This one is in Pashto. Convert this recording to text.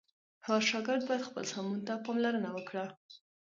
هر شاګرد باید خپل سمون ته پاملرنه وکړه.